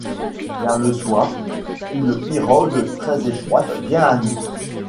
Vers le soir, une pirogue très étroite vient à nous.